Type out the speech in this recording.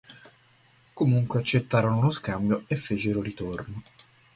Comunque accettarono lo scambio e fecero ritorno.